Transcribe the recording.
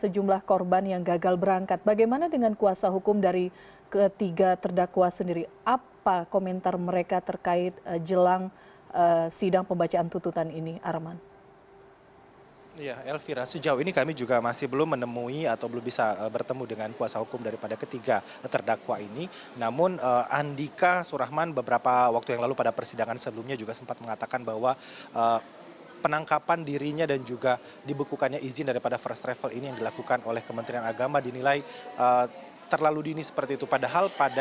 jumlah kerugian calon juma'a diperkirakan mencapai hampir satu triliun rupiah